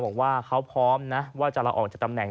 บอกว่าเขาพร้อมนะว่าจะลาออกจากตำแหน